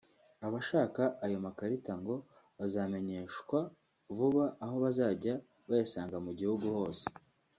Abashaka ayo makarita ngo bazamenyeshwa vuba aho bazajya bayasanga mu gihugu hose